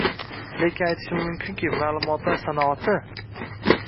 lekin aytishim mumkinki, maʼlumotlar sanoati…